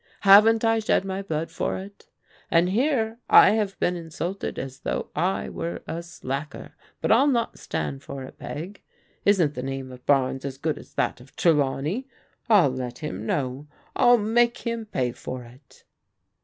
Haven't I shed my blood for it? And here I have been insulted as though I were a slacker. But I'll not stand it, Peg! Isn't the name of Barnes as good as that of Trelawney? I'll let him know! I'll make him pay for it